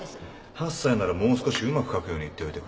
８歳ならもう少しうまく描くように言っておいてくれ。